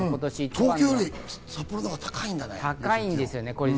東京より札幌のほうが高いんだね。